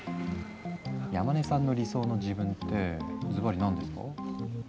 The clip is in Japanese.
山根さんの理想の自分ってズバリ何ですか？